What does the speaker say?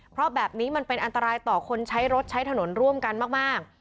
เพราะแบบนี้มันเป็นอันตรายต่อคนใช้รถใช้ถนนร่วมกันมาก